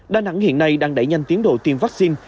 đà nẵng hiện nay đang đẩy nhanh tiến độ tiêm vắc xin